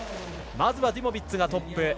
まずはデュモビッツがトップ。